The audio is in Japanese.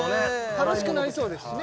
楽しくなりそうですしね